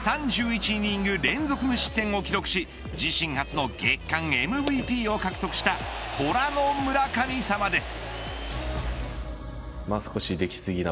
タイとなる開幕から３１人連続無失点を記録し自身初の月間ＭＶＰを獲得した虎の村神様です。